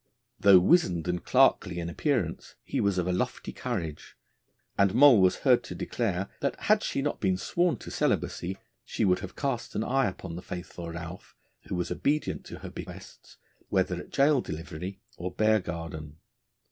Though wizened and clerkly in appearance, he was of a lofty courage; and Moll was heard to declare that had she not been sworn to celibacy, she would have cast an eye upon the faithful Ralph, who was obedient to her behests whether at Gaol Delivery or Bear Garden.